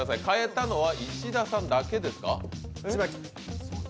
変えたのは石田さんだけですか？